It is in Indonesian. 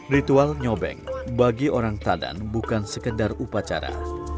ritual nyobeng bagi orang tadan bukan sekedar upacara